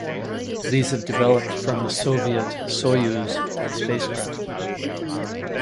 These have developed from the Soviet Soyuz spacecraft.